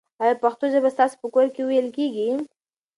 آیا پښتو ژبه ستاسو په کور کې ویل کېږي؟